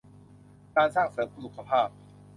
การสร้างเสริมสุขภาพ